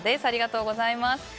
ありがとうございます。